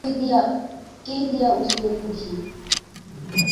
کہہ دیا اس نے خود ہی